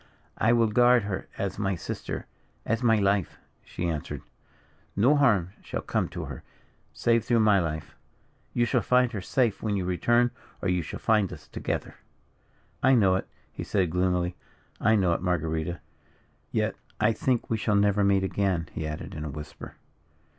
"I will guard her as my sister; as my life," she answered. "No harm shall come to her, save through my life. You shall find her safe when you return, or you shall find us together." "I know it," he said, gloomily. "I know it, Marguerita. Yet, I think we shall never meet again," he added, in a whisper.